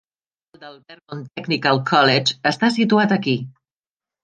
El campus principal del Vermont Technical College està situat aquí.